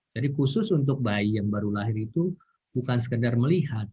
jadi khusus untuk bayi yang baru lahir itu bukan sekedar melihat